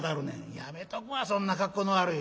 「やめとくわそんな格好の悪い」。